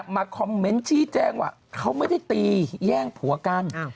มาคอมเมนต์ชี้แจ้งว่าเขาไม่ได้ตีแย่งผัวกัน